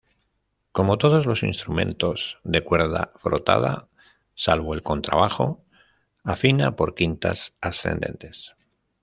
Como todos los instrumentos de cuerda frotada, salvo el contrabajo, afina por quintas ascendentes.